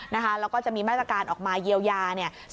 แล้วก็จะมีมาตรการออกมาเยียวยาเนี่ย